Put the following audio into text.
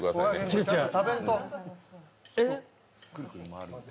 違う、違う。